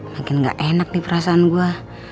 makin gak enak nih perasaan gue